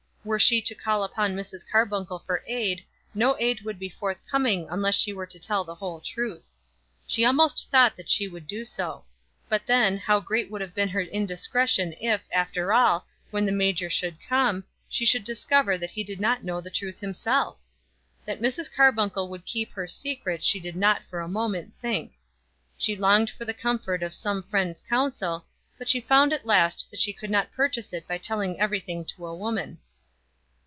Were she to call upon Mrs. Carbuncle for aid, no aid would be forthcoming unless she were to tell the whole truth. She almost thought that she would do so. But then, how great would have been her indiscretion if, after all, when the major should come, she should discover that he did not know the truth himself! That Mrs. Carbuncle would keep her secret she did not for a moment think. She longed for the comfort of some friend's counsel, but she found at last that she could not purchase it by telling everything to a woman.